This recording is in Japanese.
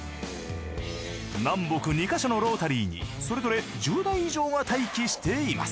南北２か所のロータリーにそれぞれ１０台以上が待機しています。